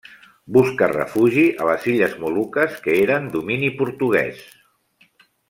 Buscar refugi a les illes Moluques, que eren domini portuguès.